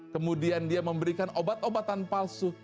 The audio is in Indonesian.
kemudian dia memberikan obat obatan palsu